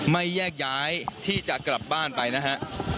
ไม่แยกย้ายที่จะกลับบ้านไปนะฮะ